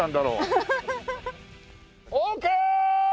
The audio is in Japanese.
オーケー！